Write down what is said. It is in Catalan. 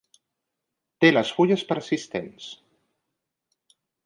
Té les fulles persistents.